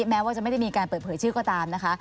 แม้ไม่ได้มีการเปิดเผยชื่อก็ตาม